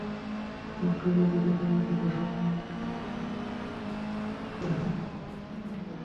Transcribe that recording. মুক্তিযুদ্ধের চেতনাকে জাসদ নামক বৈজ্ঞানিক সমাজতন্ত্রবাদীরা সম্পূর্ণ ভিন্ন দিকে পরিচালিত করে।